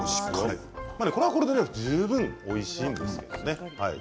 これはこれで十分おいしいんですよ。